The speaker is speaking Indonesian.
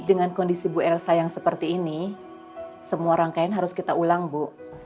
dengan kondisi bu elsa yang seperti ini semua rangkaian harus kita ulang bu